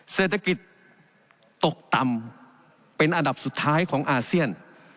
เศรษฐกิจตกต่ำเป็นอันดับสุดท้ายของอาเซียน